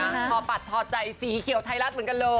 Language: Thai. ทอปัดทอใจสีเขียวไทยรัฐเหมือนกันเลย